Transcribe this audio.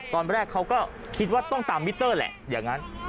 ตอนแรกเขาก็คิดว่าต้องตามมิเตอร์แหละอย่างนั้น